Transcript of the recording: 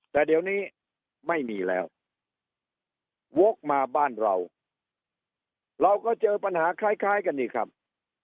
แต่เดี๋ยวนี้ไม่มีแล้ววกมาบ้านเราเราก็เจอปัญหาคล้ายกันอีกครับ